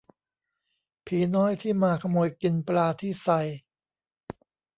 ผีน้อยที่มาขโมยกินปลาที่ไซ